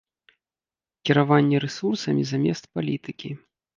Кіраванне рэсурсамі замест палітыкі.